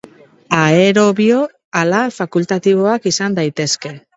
Aerobio ala fakultatiboak izan daitezke.